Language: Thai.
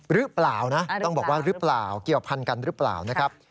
หรือเปล่านะต้องบอกว่าหรือเปล่าเกี่ยวพันกันหรือเปล่านะครับ